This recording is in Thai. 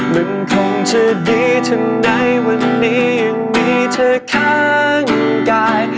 มันคงจะดีทำไมวันนี้ยังมีเธอข้างกาย